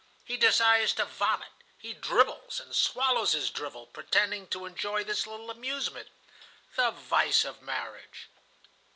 He desires to vomit; he drivels, and swallows his drivel, pretending to enjoy this little amusement. The vice of marriage